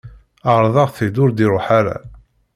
Ɛerḍeɣ-t-id, ur d-iruḥ ara.